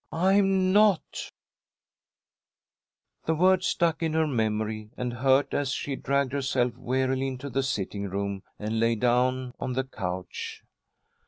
I'm not!" The word stuck in her memory, and hurt, as she dragged herself wearily into the sitting room, and lay down on the couch.